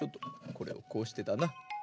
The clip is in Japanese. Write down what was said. これをこうしてだな。